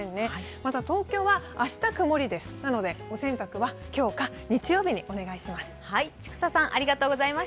また、東京は明日曇りですので、お洗濯は今日か日曜日にお願いします。